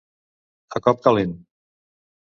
A cop calent.